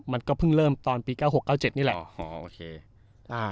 มันก็เพิ่งเริ่มตอนปีเก้าหกเก้าเจ็ดนี่แหละอ๋ออ๋อโอเคอ่า